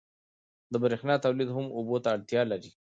د برېښنا تولید هم اوبو ته اړتیا لري.